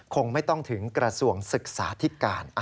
คงไม่ต้องถึงกระทรวงศึกษาธิการ